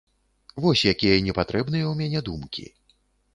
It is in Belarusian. Вось якія непатрэбныя ў мяне думкі.